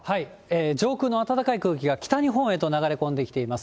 上空の暖かい空気が北日本へと流れ込んできています。